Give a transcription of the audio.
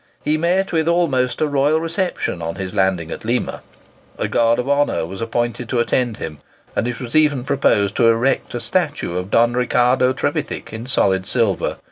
He met with almost a royal reception on his landing at Lima. A guard of honour was appointed to attend him, and it was even proposed to erect a statue of Don Ricardo Trevithick in solid silver.